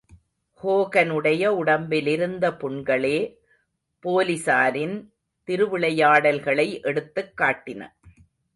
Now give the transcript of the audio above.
ஹோகனுடைய உடம்பிலிருந்த புண்களே போலிஸாரின் திருவிளையாடல்களை எடுத்துக்காட்டின.